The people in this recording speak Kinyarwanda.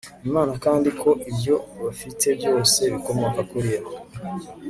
Imana kandi ko ibyo bafite byose bikomoka kuri Yo